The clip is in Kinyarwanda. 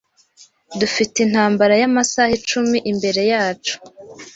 Dufite intambara yamasaha icumi imbere yacu.